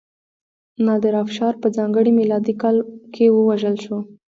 نادرافشار په ځانګړي میلادي کال کې ووژل شو.